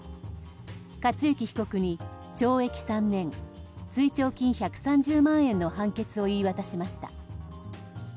克行被告に懲役３年、追徴金１３０万円の判決を言い渡しました。